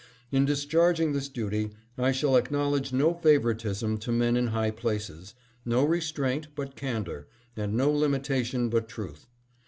In discharging this duty I shall acknowledge no favoritism to men in high places, no restraint but candor, and no limitation but truth.